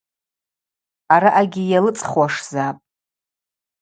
Араъагьи йалыцӏхуашзапӏ.